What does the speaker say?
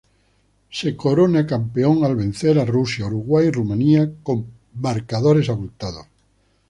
Se corona campeón al vencer a Rusia, Uruguay y Rumania con marcadores abultados.